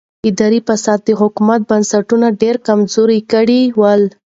اداري فساد د حکومت بنسټونه ډېر کمزوري کړي ول.